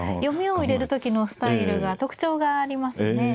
読みを入れる時のスタイルが特徴がありますね。